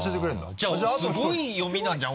じゃあすごい読みなんじゃん